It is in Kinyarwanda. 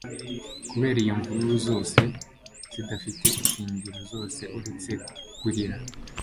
Kubera iyo mvururu zose zidafite ishingiro zose uretse kurira